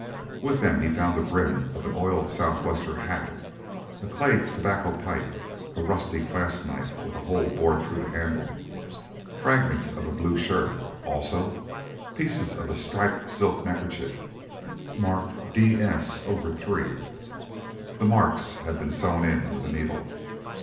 With them he found the brim of an oiled sou' westr' hat, a clay tobacco pipe, a rusty clasp knife with a hole bored through the handle, fragments of a blue shirt; also pieces of a striped silk neckerchief, marked D. S. over 3; the marks had been sewn in with a needle.